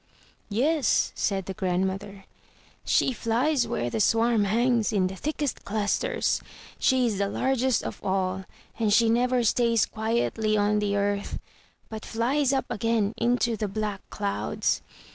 "Yes," said the grandmother, "she flies where the swarm hangs in the thickest clusters. She is the largest of all; and she never stays quietly on the earth, but flies up again into the black clouds.